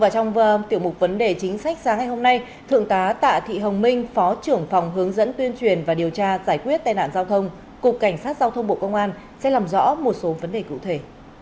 trong tiểu mục vấn đề chính sách sáng ngày hôm nay thượng tá tạ thị hồng minh phó trưởng phòng hướng dẫn tuyên truyền và điều tra giải quyết tai nạn giao thông cục cảnh sát giao thông bộ công an sẽ làm rõ một số vấn đề cụ thể